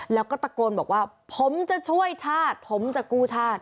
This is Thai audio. แล้วก็ตะโกนบอกว่าผมจะช่วยชาติผมจะกู้ชาติ